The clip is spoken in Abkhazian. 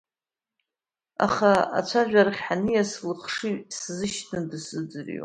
Аха ацәажәарахь ҳаниас лыхшыҩ сзышьҭны дысзыӡырҩуан.